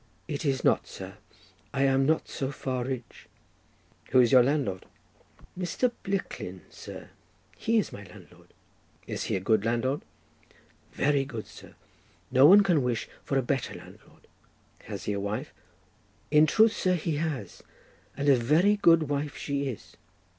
"It is not, sir; I am not so far rich." "Who is your landlord?" "Mr. Blicklin, sir. He is my landlord." "Is he a good landlord?" "Very good, sir; no one can wish for a better landlord." "Has he a wife?" "In truth, sir, he has; and a very good wife she is."